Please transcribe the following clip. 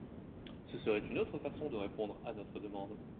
Ce serait une autre façon de répondre à notre demande.